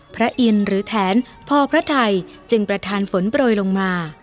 พระอินทร์หรือแถนพ่อพระไทยจึงประธานฝนโปรยลงมา